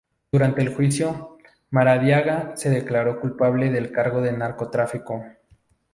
Durante el juicio, Maradiaga se declaró culpable del cargo de narcotráfico.